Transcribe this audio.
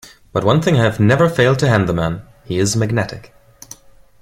But one thing I have never failed to hand the man: he is magnetic.